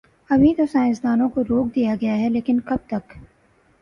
ابھی تو سائنس دانوں کو روک دیا گیا ہے، لیکن کب تک؟